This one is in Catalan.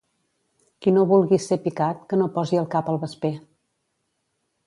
Qui no vulgui ser picat que no posi el cap al vesper.